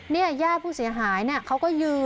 เนี่ยย่าผู้เสียหายเนี่ยเขาก็ยืน